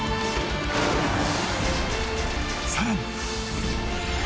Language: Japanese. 更に。